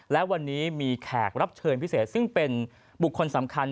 และวันนี้มีแขกรับเชิญพิเศษซึ่งเป็นบุคคลสำคัญ